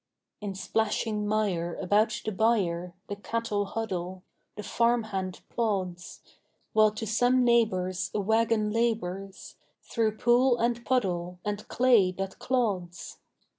In splashing mire about the byre The cattle huddle, the farm hand plods; While to some neighbor's a wagon labors Through pool and puddle and clay that clods.